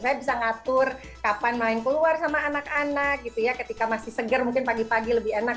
saya bisa ngatur kapan main keluar sama anak anak gitu ya ketika masih seger mungkin pagi pagi lebih enak